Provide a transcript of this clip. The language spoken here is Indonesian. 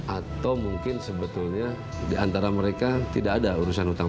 atau mungkin sebetulnya di antara mereka tidak ada urusan hutang hutang